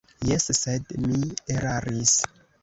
Jes, sed mi eraris.